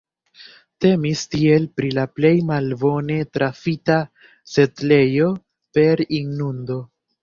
Temis tiel pri la plej malbone trafita setlejo per inundo.